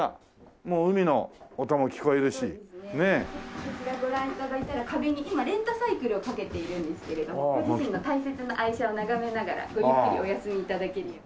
こちらご覧頂いたら壁に今レンタサイクルをかけているんですけれどもご自身の大切な愛車を眺めながらごゆっくりお休み頂けるように。